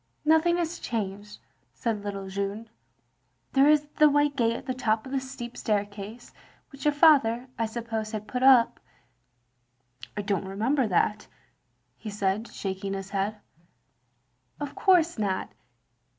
"Nothing is changed," said little Jeanne. "There is the white gate at the top of the steep staircase, which your father, I suppose, had put up." " I don't remember that, " he said, shaking his head. "Of course not.